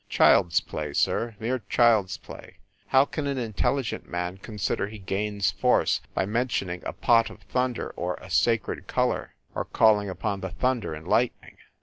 Child s play, sir! Mere child s play ! How can an intelligent man con sider he gains force by mentioning a pot of thunder or a sacred color ? Or calling upon the thunder and lightning."